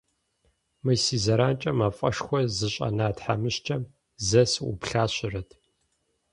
Мы си зэранкӏэ мафӏэшхуэр зыщӏэна тхьэмыщкӏэм зэ сыӏуплъащэрэт.